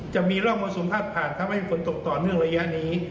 จะมีร่องมรสุมพาดผ่านทำให้ฝนตกต่อเนื่องระยะนี้